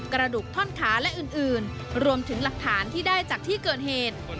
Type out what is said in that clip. กระดูกท่อนขาและอื่นรวมถึงหลักฐานที่ได้จากที่เกิดเหตุ